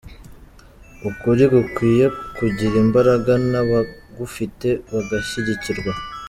Ukuri gukwiye kugira imbaraga nabagufite bagashyigikirwa.